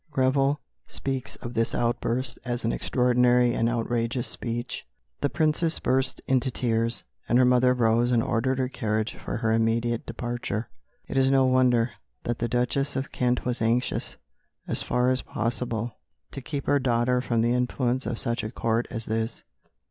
Greville speaks of this outburst as an extraordinary and outrageous speech. The Princess burst into tears, and her mother rose and ordered her carriage for her immediate departure. It is no wonder that the Duchess of Kent was anxious, as far as possible, to keep her daughter from the influence of such a Court as this.